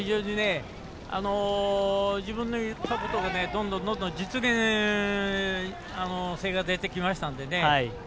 自分の言ったことが実現性が出てきましたのでね。